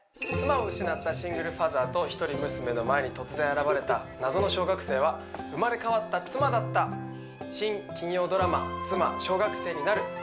妻を失ったシングルファーザーと一人娘の前に突然現れた謎の小学生は生まれ変わった妻だった新金曜ドラマ「妻、小学生になる。」